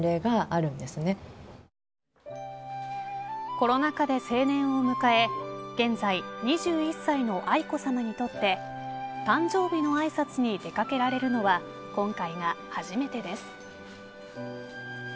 コロナ禍で成年を迎え現在２１歳の愛子さまにとって誕生日のあいさつに出掛けられるのは今回が初めてです。